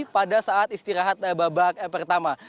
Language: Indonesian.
pada saat istirahat babak pertama